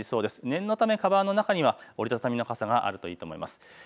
念のためかばんの中には折り畳みの傘があるといいと思います。